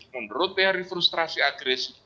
menurut teori frustrasi agresi